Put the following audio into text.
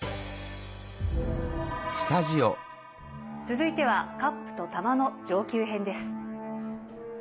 続いてはカップと玉の上級編です。